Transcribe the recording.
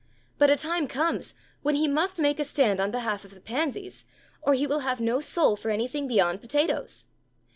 But a time comes when he must make a stand on behalf of the pansies, or he will have no soul for anything beyond potatoes.